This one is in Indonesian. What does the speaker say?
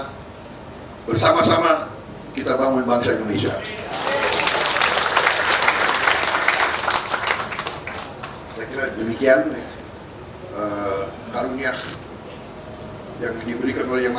bernama bersama sama kita bangun bangsa indonesia demikian karunia yang diberikan oleh yang